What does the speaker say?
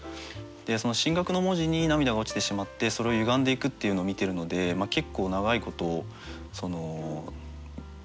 その「進学」の文字に涙が落ちてしまってそれを歪んでいくっていうのを見てるので結構長いことその時間を見てるわけですよね。